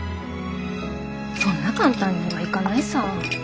そんな簡単にはいかないさ。